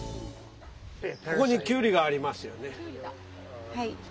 ここにきゅうりがありますよね。